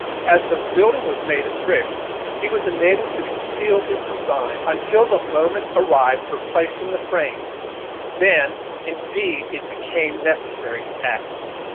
As the building was made of bricks, he was enabled to conceal his design until the moment arrived for placing the frames; then, indeed, it became necessary to act.